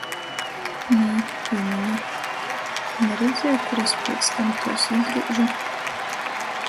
Nui, pīmiņu... Tu naredzieji, kur es piec tam tuos īgryužu